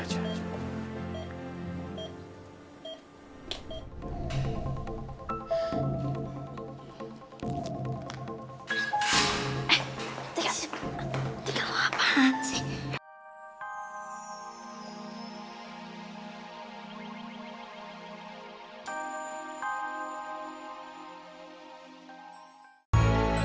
tiga luar apaan sih